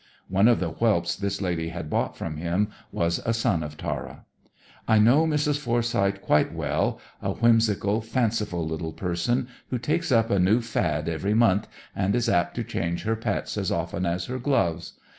(One of the whelps this lady had bought from him was a son of Tara.) "I know Mrs. Forsyth quite well a whimsical, fanciful little person, who takes up a new fad every month, and is apt to change her pets as often as her gloves.